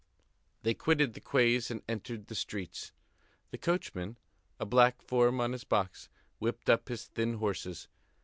They quitted the quays and entered the streets. The coachman, a black form on his box, whipped up his thin horses.